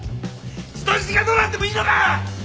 人質がどうなってもいいのか！？